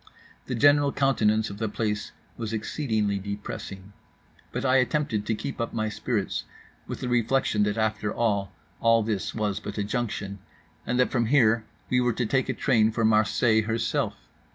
The general countenance of the place was exceedingly depressing; but I attempted to keep up my spirits with the reflection that after all all this was but a junction, and that from here we were to take a train for Marseilles herself.